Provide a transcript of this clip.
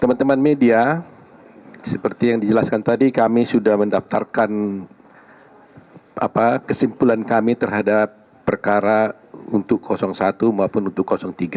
teman teman media seperti yang dijelaskan tadi kami sudah mendaftarkan kesimpulan kami terhadap perkara untuk satu maupun untuk tiga